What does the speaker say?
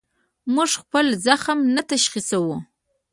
موږ خپل زخم نه تشخیصوو.